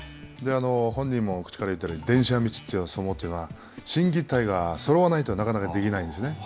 本人も言ったように電車道の相撲というのは心技体がそろわないとなかなかできないんですね。